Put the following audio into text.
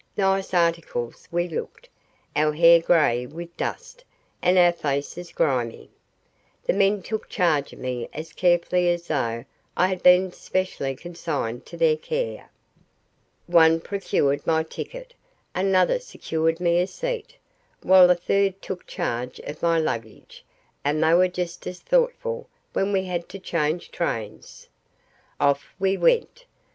Nice articles we looked our hair grey with dust, and our faces grimy. The men took charge of me as carefully as though I had been specially consigned to their care. One procured my ticket, another secured me a seat, while a third took charge of my luggage; and they were just as thoughtful when we had to change trains. Off we went.